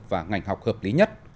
và ngành học hợp lý nhất